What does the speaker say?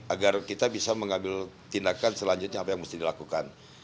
agar kita bisa mengambil tindakan selanjutnya apa yang mesti dilakukan